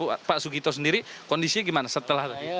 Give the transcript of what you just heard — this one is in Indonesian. nah kalau pak sugito sendiri kondisinya gimana setelah tadi